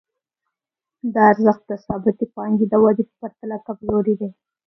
دا ارزښت د ثابتې پانګې د ودې په پرتله کمزوری دی